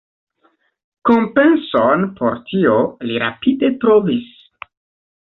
Kompenson por tio li rapide trovis.